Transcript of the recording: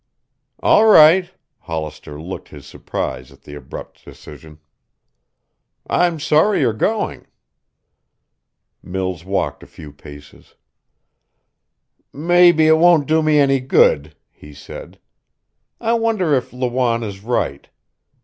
"All right." Hollister looked his surprise at the abrupt decision. "I'm sorry you're going." Mills walked a few paces. "Maybe it won't do me any good," he said. "I wonder if Lawanne is right?